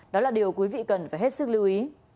hãy hết sức lưu ý